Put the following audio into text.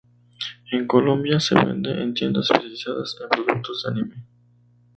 En Colombia, se vende en tiendas especializadas en productos de anime.